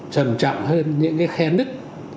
trầm trọng hơn những cái khe nứt